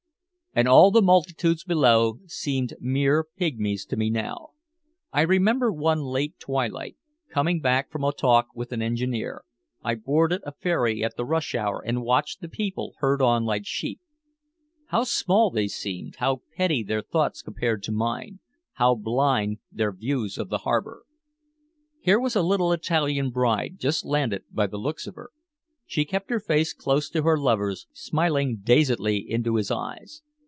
And all the multitudes below seemed mere pigmies to me now. I remember one late twilight, coming back from a talk with an engineer, I boarded a ferry at the rush hour and watched the people herd on like sheep. How small they seemed, how petty their thoughts compared to mine, how blind their views of the harbor. Here was a little Italian bride, just landed, by the looks of her. She kept her face close to her lover's, smiling dazedly into his eyes.